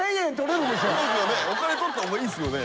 そうですよねお金取った方がいいですよね。